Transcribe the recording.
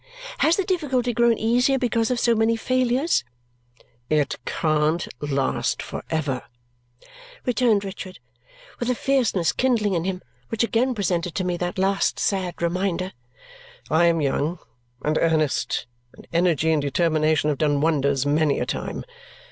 Has the difficulty grown easier because of so many failures?" "It can't last for ever," returned Richard with a fierceness kindling in him which again presented to me that last sad reminder. "I am young and earnest, and energy and determination have done wonders many a time.